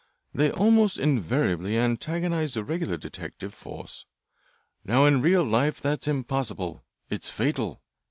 "They almost invariably antagonize the regular detective force. Now in real life that's impossible it's fatal."